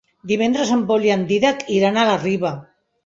Divendres en Pol i en Dídac iran a la Riba.